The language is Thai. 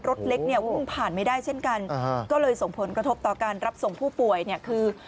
รถเล็กเนี่ยวิ่งผ่านไม่ได้เช่นกันก็เลยส่งผลกระทบต่อการรับส่งผู้ป่วยเนี่ยคือ